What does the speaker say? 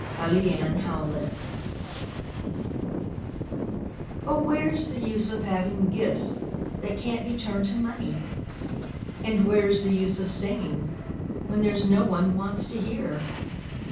WHERE'S THE USE Oh, where's the use of having gifts that can't be turned to money? And where's the use of singing, when there's no one wants to hear?